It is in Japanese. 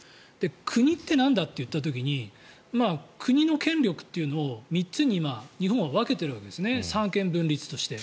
国ってなんだとなった時に国の権力というのを３つに日本は分けているわけですね三権分立として。